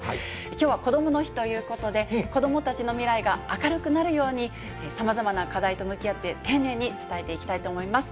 きょうはこどもの日ということで、子どもたちの未来が明るくなるように、さまざまな課題と向き合って、丁寧に伝えていきたいと思います。